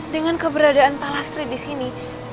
dengan keberadaan pak lastri di sini